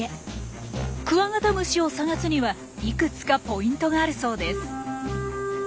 クワガタムシを探すにはいくつかポイントがあるそうです。